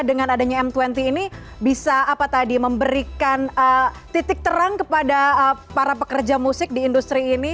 dengan adanya m dua puluh ini bisa apa tadi memberikan titik terang kepada para pekerja musik di industri ini